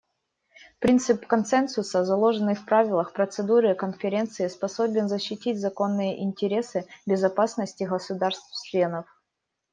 Принцип консенсуса, заложенный в правилах процедуры Конференции, способен защитить законные интересы безопасности государств-членов.